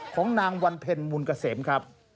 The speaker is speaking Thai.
ของนางวันเพ็ญมูลเกษมครับ